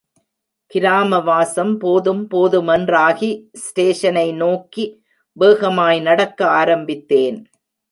கிராமவாசம் போதும் போதுமென்று ஆகி ஸ்டேஷனை நோக்கி வேகமாய் நடக்க ஆரம்பித்தேன்.